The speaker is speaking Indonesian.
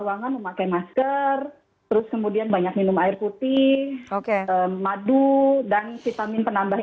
ruangan memakai masker terus kemudian banyak minum air putih oke madu dan vitamin penambah